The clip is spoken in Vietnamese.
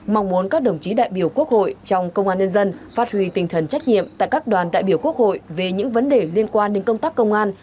mong muốn các đồng chí đại biểu quốc hội trong công an nhân dân phát huy tinh thần trách nhiệm tại các đoàn đại biểu quốc hội về những vấn đề liên quan đến công tác công an